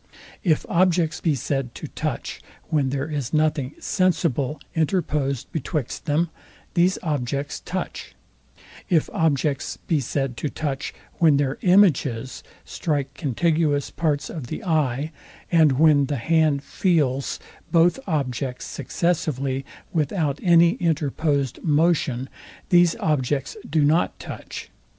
If objects be said to touch, when there is nothing SENSIBLE interposed betwixt them, these objects touch: it objects be said to touch, when their IMAGES strike contiguous parts of the eye, and when the hand FEELS both objects successively, without any interposed motion, these objects do not touch.